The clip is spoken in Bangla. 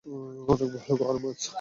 অনেক ভালুক আর মাছ।